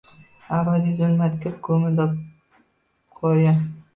Abadiy zulmatga ko‘mildi qoya.